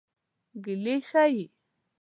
ګیلې ښيي.